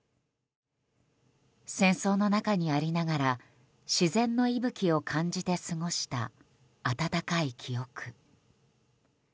戦争の中にありながら自然の息吹を感じて過ごした温かい記憶。